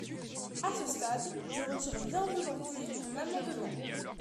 À ce stade, je retire bien volontiers mon amendement.